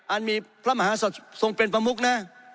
อันมีพระมหาศัตว์ทรงเป็นประมุกนะ